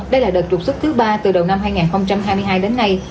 đây là đợt trục xuất thứ ba từ đầu năm hai nghìn hai mươi hai đến nay